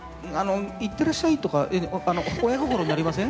いってらっしゃいとか親心になりません？